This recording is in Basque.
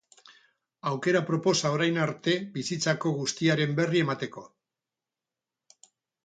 Aukera aproposa orain arte bizitako guztiaren berri emateko.